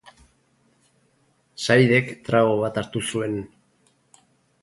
Saidek trago bat hartu zuen.